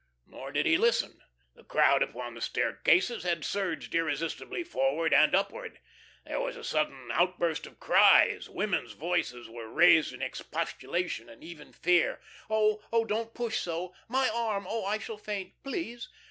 Nor did he listen. The crowd upon the staircases had surged irresistibly forward and upward. There was a sudden outburst of cries. Women's voices were raised in expostulation, and even fear. "Oh, oh don't push so!" "My arm! oh! oh, I shall faint ... please."